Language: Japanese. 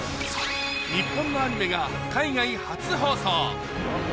日本のアニメが海外初放送。